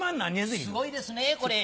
すごいですねこれ。